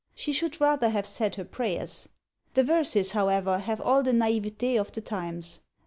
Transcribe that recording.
She should rather have said her prayers. The verses however have all the naïveté of the times.